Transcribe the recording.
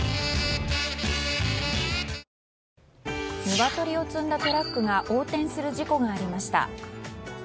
ニワトリを積んだトラックが横転する事故がありました。